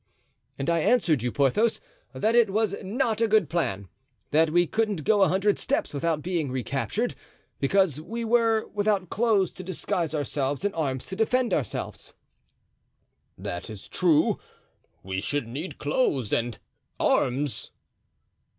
"And I answered you, Porthos, that it was not a good plan; that we couldn't go a hundred steps without being recaptured, because we were without clothes to disguise ourselves and arms to defend ourselves." "That is true; we should need clothes and arms."